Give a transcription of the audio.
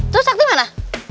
tuh sakti mana